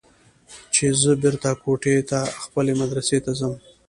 چې زه بېرته کوټې ته خپلې مدرسې ته ځم.